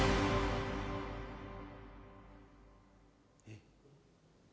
えっ。